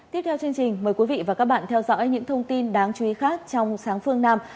tiếp theo chương trình mời quý vị và các bạn theo dõi những thông tin đáng chú ý khác trong sáng phương nam